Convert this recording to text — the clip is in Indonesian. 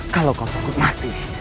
kalau kau takut mati